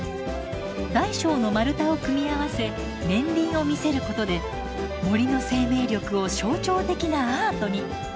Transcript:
大小の丸太を組み合わせ年輪を見せることで森の生命力を象徴的なアートに。